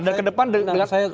dan ke depan